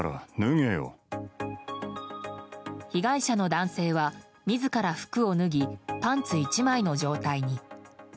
被害者の男性は自ら服を脱ぎパンツ１枚の状態に。